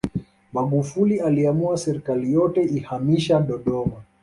magufuli aliamua serikali yote ihamisha dodoma